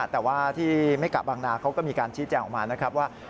แต่ว่าที่เมกะบางนาเขาก็มีการชี้แจงออกมานะครับว่า